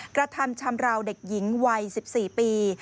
กระทำชำราวเด็กหญิงวัย๑๔ปี